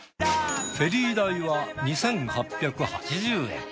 フェリー代は２，８８０円。